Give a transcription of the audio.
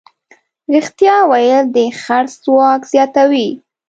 رښتیا ویل د خرڅ ځواک زیاتوي.